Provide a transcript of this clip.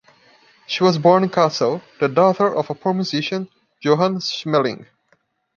She was born in Kassel, the daughter of a poor musician, Johann Schmeling.